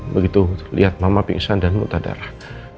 begitu lihat mama pingsan dan muntah darah